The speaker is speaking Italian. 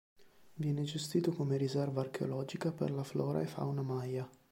Viene gestito come Riserva Archeologica per la flora e fauna Maya.